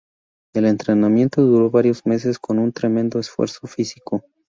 El entrenamiento duró varios meses con un tremendo esfuerzo físico.